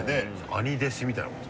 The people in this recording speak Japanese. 兄弟子みたいなこと。